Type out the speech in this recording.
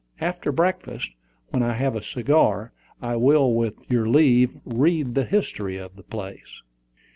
After breakfast, when I have a cigar, I will, with your leave, read the history of the place."